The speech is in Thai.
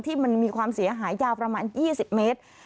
ที่มันมีความเสียหายยาวประมาณ๒๐เมตร